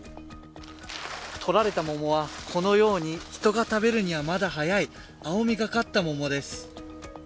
とられた桃は、このように人が食べるにはまだ早い青みがかった桃です。